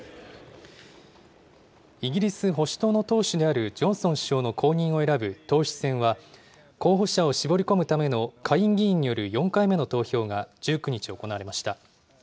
イギリス保守党の党首であるジョンソン首相の後任を選ぶ党首選は、候補者を絞り込むための下院議員による４回目の投票が１９日、行われました。